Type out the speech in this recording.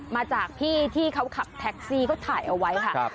มาจากพี่ที่เขาขับแท็กซี่เขาถ่ายเอาไว้ค่ะ